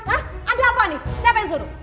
ah ada apa nih siapa yang suruh